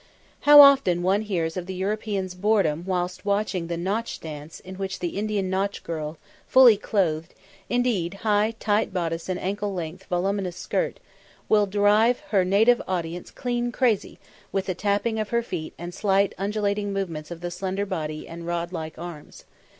How often one hears of the European's boredom whilst watching the Nautch Dance in which the Indian Nautch girl, fully clothed, indeed in high tight bodice and ankle length, voluminous skirt, will drive her native audience clean crazy with the tapping of her feet and slight, undulating movements of the slender body and rod like arms.